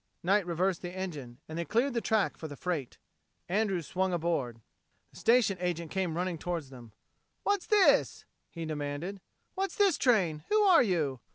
Knight reversed the engine, and they cleared the track for the freight. Andrews swung aboard. The station agent came running toward them. "What's this?" he demanded. "What's this train? Who are you?"